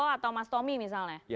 atau mas tommy misalnya